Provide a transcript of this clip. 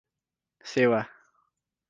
सेवा